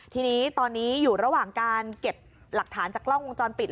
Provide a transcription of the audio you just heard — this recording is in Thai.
ทีนี้ตอนนี้อยู่ระหว่างการเก็บหลักฐานจากกล้องวงจรปิด